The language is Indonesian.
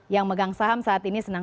yang megang saham saat ini sedang